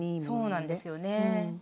そうなんですよね。